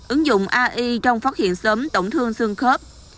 ứng dụng ai trong phát hiện sớm tổn thương xương khớp